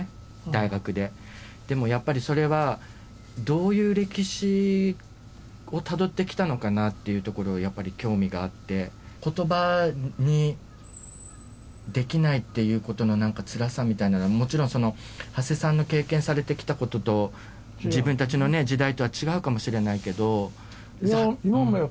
大学ででもやっぱりそれはどういう歴史をたどってきたのかなっていうところをやっぱり興味があって言葉にできないっていうことの何かつらさみたいなのもちろんその長谷さんの経験されてきたことと自分たちの時代とは違うかもしれないけどいや